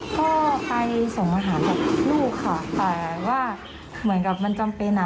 ก็ไปส่งมาถามกับลูกค่ะแต่ว่าเหมือนกับมันจำเป็นอ่ะ